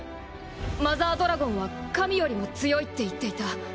マザードラゴンは神よりも強いって言っていた。